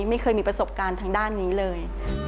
ไม่เคยมีประสบการณ์ทางด้านนี้เลย